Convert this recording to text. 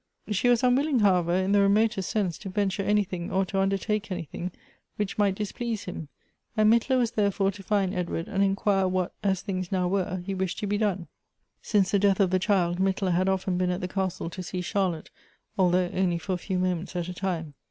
She was un willing, however, in the remotest sense to venture any thing or to undertake anything which might dis])lease him, and .Mittler was therefore to find Edward, and inquire what, as things now were, he wished to be done. Since the death of the child, Mittler had often been at the castle to see Charlotte, although only for a few moments at a time.